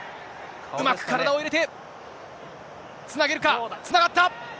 うまく体を入れて、つなげるか、つながった。